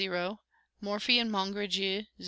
Morphy and Mongredieu, 0.